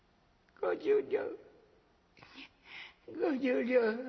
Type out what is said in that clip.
「５０両」。